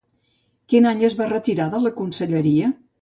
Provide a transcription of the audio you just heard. Quin any es va retirar de la conselleria?